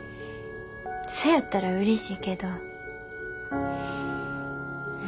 そやったらうれしいけどうん。